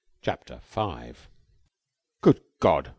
CHAPTER FIVE "Good God!"